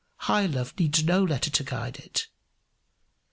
High love needs no letter to guide it.